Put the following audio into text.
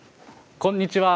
こんにちは。